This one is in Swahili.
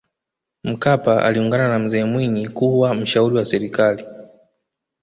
mkapa aliungana na mzee mwinyi kuwa mshauri wa serikali